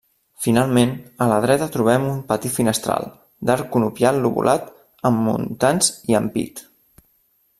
Finalment a la dreta trobem un petit finestral d'arc conopial lobulat amb muntants i ampit.